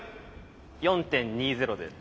４．２０で。